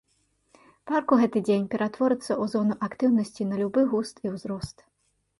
Парк у гэты дзень ператворыцца ў зону актыўнасці на любы густ і ўзрост.